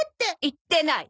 言ってない。